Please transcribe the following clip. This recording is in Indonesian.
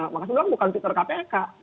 maka sebenarnya bukan fitur kpk